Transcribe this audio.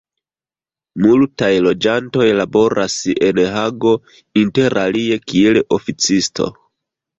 Multaj loĝantoj laboras en Hago interalie kiel oficisto.